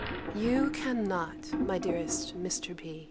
You cannot, my dearest Mr. B.